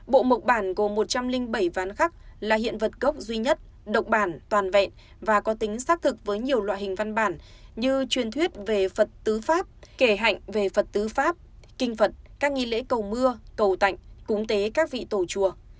bộ mộc bản gồm một trăm linh bảy ván khắc là hiện vật gốc duy nhất độc bản toàn vẹn và có tính xác thực với nhiều loại hình văn bản như truyền thuyết về phật tứ pháp kể hạnh về vật tư pháp kinh phật các nghi lễ cầu mưa cầu tạnh cúng tế các vị tổ chùa